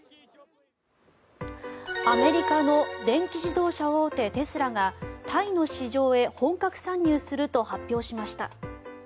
アメリカの電気自動車大手テスラがタイの市場へ本格参入すると発表しました。